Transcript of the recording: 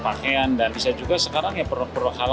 makanan minuman gitu ya